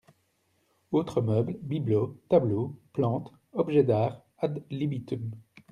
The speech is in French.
Autres meubles, bibelots, tableaux, plantes, objets d'art ad libitum.